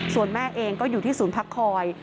ส่วนแม่เองก็อยู่ที่ศูนย์พักคอย